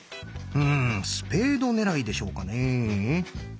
うんスペード狙いでしょうかね？